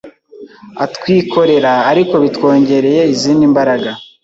atwikorera ariko bitwongereye izindi mbaraga